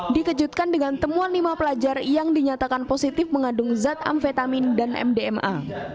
dikejutkan dengan temuan lima pelajar yang dinyatakan positif mengandung zat amfetamin dan mdma